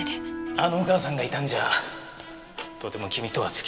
あのお母さんがいたんじゃとても君とは付き合えない。